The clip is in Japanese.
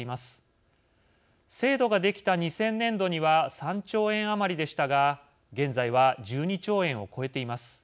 制度ができた２０００年度には３兆円余りでしたが現在は１２兆円を超えています。